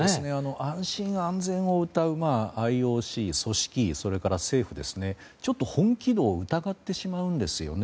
安心・安全をうたうＩＯＣ、組織委それから政府ちょっと本気度を疑ってしまうんですよね。